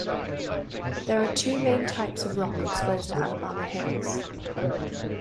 There are two main types of rock exposed at Alabama Hills.